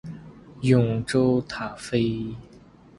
永雏塔菲